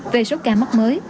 về số ca mắc mới